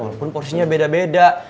walaupun porsinya beda beda